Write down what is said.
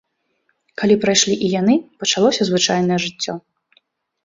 Калі прайшлі і яны, пачалося звычайнае жыццё.